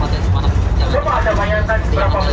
di sini saja yang paling dekat